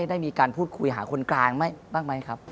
ได้มีการพูดคุยหาคนกลางบ้างไหมครับ